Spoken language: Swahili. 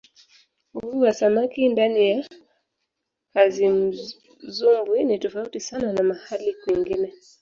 uvuvi wa samaki ndani ya kazimzumbwi ni tofauti sana na mahali kwingine